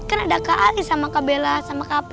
kan ada kak ali sama kak bella sama kak penilu